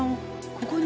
ここに？